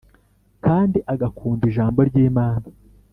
kandi agakunda Ijambo ry Imana